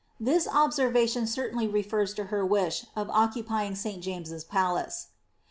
This observation certainly refers to her wish of occupying St. James's Palace.